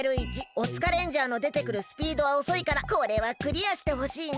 オツカレンジャーのでてくるスピードはおそいからこれはクリアしてほしいな。